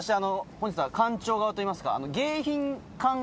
本日は館長側といいますか。